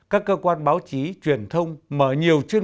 các cơ quan báo chí truyền thông mở nhiều chương